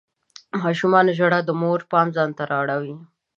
د ماشوم ژړا د مور پام ځان ته راواړاوه.